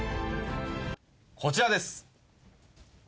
こちらです。